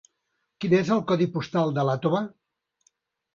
Quin és el codi postal d'Iàtova?